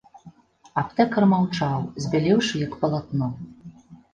Аптэкар маўчаў, збялеўшы як палатно.